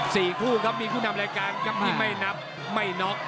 สี่คู่ครับมีคู่นำรายการครับที่ไม่นับไม่น็อก